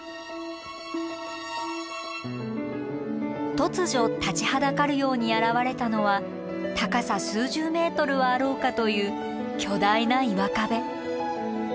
突如立ちはだかるように現れたのは高さ数十ｍはあろうかという巨大な岩壁。